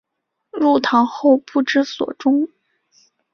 入唐后不知所终。